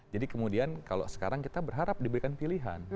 jadi kemudian kalau sekarang kita berharap diberikan pilihan